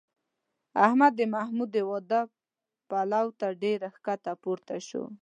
احمد د محمود د واده پلو ته ډېر ښکته پورته شو.